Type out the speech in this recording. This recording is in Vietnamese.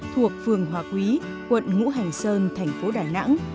thuộc phường hòa quý quận ngũ hành sơn thành phố đà nẵng